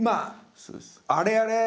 あれあれ？